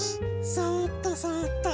そっとそっと。